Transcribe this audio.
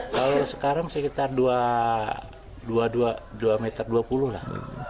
kalau sekarang sekitar dua meter dua puluh lah